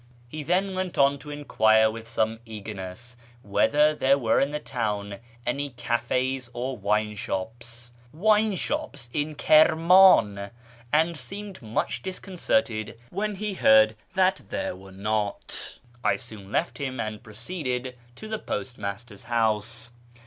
He then went on to 4 KIRMAn society 457 enquire with some eagerness whether there were in the town any cafes or wine shops (wine shops in Kirman !), and seemed much disconcerted when he heard that tliere were not. I soon left him, and proceeded to the postmaster's house.